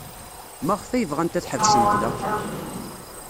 Maɣef ay bɣant ad ḥebsent da?